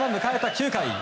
９回。